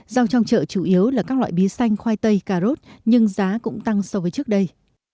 rau trong chợ chủ yếu là các loại bí xanh khoai tây cà rốt nhưng giá cũng tăng so với trước đây